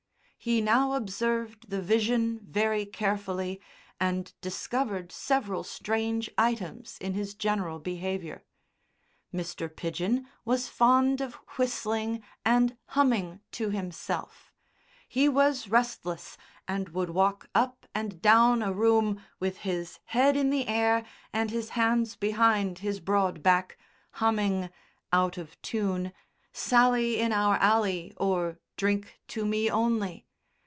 He now observed the vision very carefully and discovered several strange items in his general behaviour. Mr. Pidgen was fond of whistling and humming to himself; he was restless and would walk up and down a room with his head in the air and his hands behind his broad back, humming (out of tune) "Sally in our Alley," or "Drink to me only."